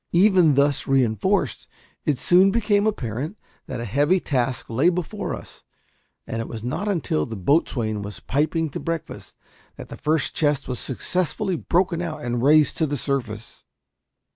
Even thus reinforced, it soon became apparent that a heavy task lay before us, and it was not until the boatswain was piping to breakfast that the first chest was successfully broken out and raised to the surface.